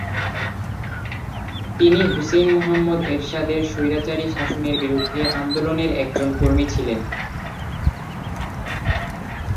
তিনি হুসেইন মোহাম্মদ এরশাদের স্বৈরাচারী শাসনের বিরুদ্ধে আন্দোলনের একজন কর্মী ছিলেন।